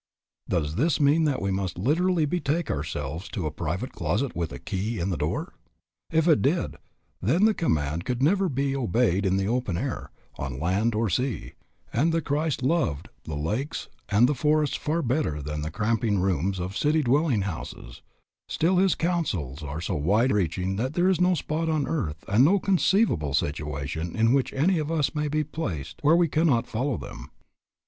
Does this mean that we must literally betake ourselves to a private closet with a key in the door? If it did, then the command could never be obeyed in the open air, on land or sea, and the Christ loved the lakes and the forests far better than the cramping rooms of city dwelling houses; still his counsels are so wide reaching that there is no spot on earth and no conceivable situation in which any of us may be placed where we cannot follow them.